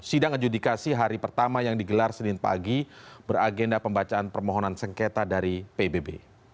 sidang adjudikasi hari pertama yang digelar senin pagi beragenda pembacaan permohonan sengketa dari pbb